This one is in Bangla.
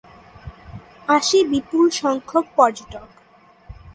আসে বিপুল সংখ্যক পর্যটক।